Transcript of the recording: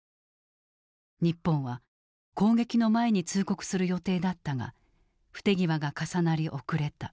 日本は攻撃の前に通告する予定だったが不手際が重なり遅れた。